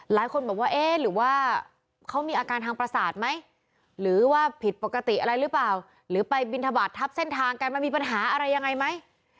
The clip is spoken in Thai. หลายคนบอกว่าเอ๊ะหรือว่าเขามีอาการทางประสาทไหมหรือว่าผิดปกติอะไรหรือเปล่าหรือไปบินทบาททับเส้นทางกันมันมีปัญหาอะไรยังไงไหม